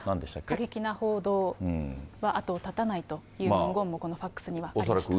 過激な報道が後を絶たないという文言も、このファックスには入っていましたね。